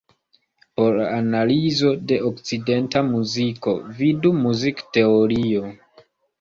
Por la analizo de okcidenta muziko, vidu muzikteorio.